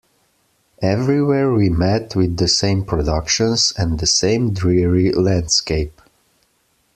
Everywhere we met with the same productions, and the same dreary landscape.